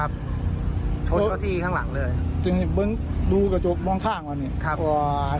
เดี๋ยวนี้เหมาะดูกระจกมองข้างว่านี่